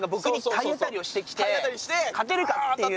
勝てるかっていう。